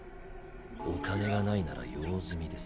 お金がないなら用済みです。